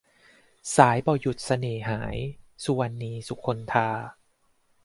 สายบ่หยุดเสน่ห์หาย - สุวรรณี สุคนธา